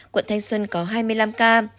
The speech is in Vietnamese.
quận thanh xuân có hai mươi năm ca